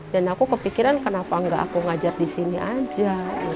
dan aku kepikiran kenapa enggak aku ngajar di sini aja